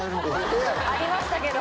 ありましたけど。